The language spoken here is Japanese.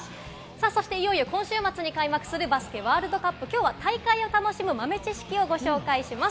そして、いよいよ今週末に開幕するバスケワールドカップ、きょうは大会を楽しむ豆知識をご紹介します。